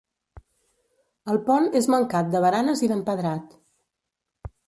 El pont és mancat de baranes i d'empedrat.